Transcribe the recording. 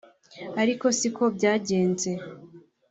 ariko siko byagenze